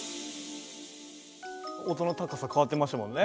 音の高さ変わってましたもんね。